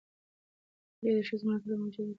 کله چې د ښځو ملاتړ موجود وي، تاوتريخوالی کمېږي.